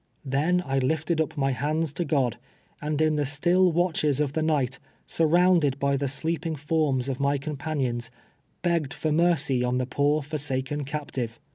Then I lifted up my hands to God, and in the still watches of the night, surrounded by the sleeping forms of my companions, begged for mercy on the poor, forsaken captive.